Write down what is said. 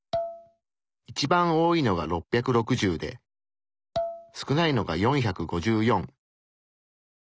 一番多いのが６６０で少ないのが４５４。